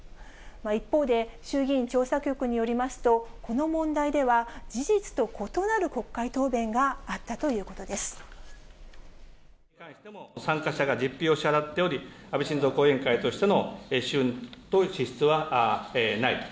一方で、衆議院調査局によりますと、この問題では、事実と異なる国会参加者が実費を支払っており、安倍晋三後援会としての収支と支出はないと。